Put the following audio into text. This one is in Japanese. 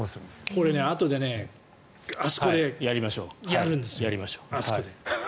これ、あとであそこでやるんですよやりましょう。